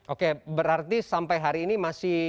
oke berarti sampai hari ini masih